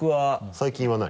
最近は何？